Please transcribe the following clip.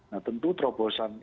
nah tentu terobosan ini